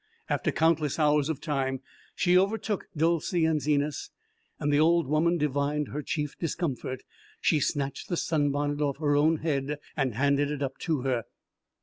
After countless hours of time she overtook Dolcey and Zenas, and the old woman divined her chief discomfort. She snatched the sunbonnet off her own head and handed it up to her.